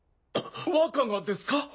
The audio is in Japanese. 若がですか！？